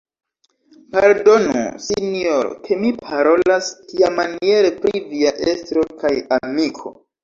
Pardonu, sinjoro, ke mi parolas tiamaniere pri via estro kaj amiko.